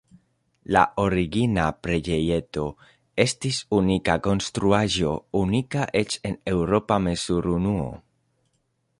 La origina preĝejeto estis unika konstruaĵo, unika eĉ en eŭropa mezurunuo.